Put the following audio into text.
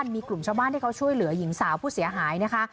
มีกลุ่มชาวบ้านที่เขาช่วยเหลือหญิงสาวผู้เสียหายนะคะ